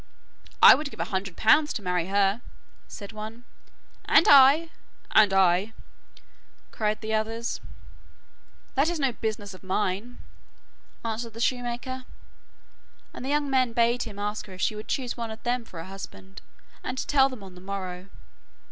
'I would give a hundred pounds to marry her,' said one. 'And I,' 'And I,' cried the others. 'That is no business of mine,' answered the shoemaker, and the young men bade him ask her if she would choose one of them for a husband, and to tell them on the morrow.